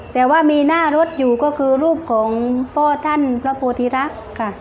แต่ว่ามีหน้ารถอยู่ก็คือรูปของพ่อท่านพระโพธิรักษ์ค่ะ